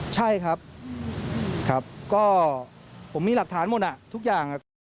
ใช่ครับครับก็ผมมีหลักฐานหมดทุกอย่าง